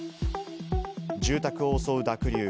住宅を襲う濁流。